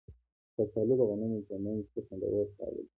کچالو د غمونو په منځ کې خوندور خواړه دي